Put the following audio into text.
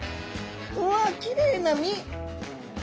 うわっきれいな身。